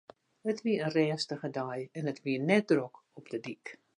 It wie in rêstige dei en it wie net drok op 'e dyk.